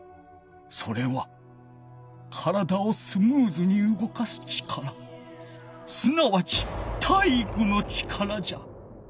それは体をスムーズにうごかす力すなわち体育の力じゃ！